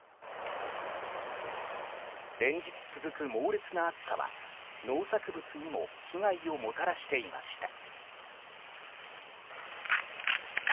連日続く猛烈な暑さは農作物にも被害をもたらしていました。